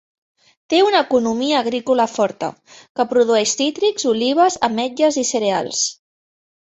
Té una economia agrícola forta, que produeix cítrics, olives, ametlles i cereals.